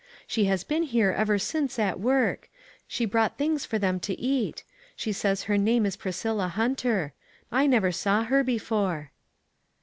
She has been here ever since at work ; she brought things for them to eat. She says her name is Priscilla Hunter. I never saw her before."